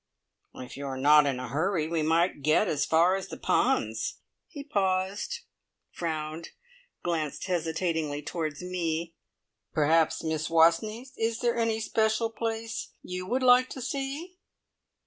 "If you are not in a hurry we might get as far as the ponds." He paused, frowned, glanced hesitatingly towards me. "Perhaps Miss Wastneys Is there any special place you would like to see?"